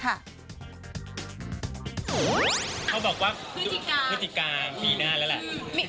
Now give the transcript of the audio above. เขาบอกว่าพืชกาพืชกาพี่น่าแล้วแหละ